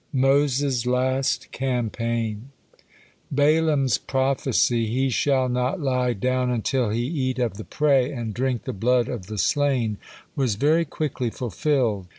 MOSES' LAST CAMPAIGN Balaam's prophecy, "He shall not lie down until he eat of the prey, and drink the blood of the slain," was very quickly fulfilled.